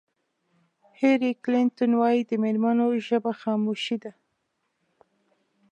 هېلري کلنټن وایي د مېرمنو ژبه خاموشي ده.